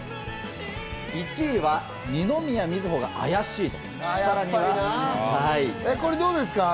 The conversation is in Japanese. １位は二宮瑞穂が怪しいと。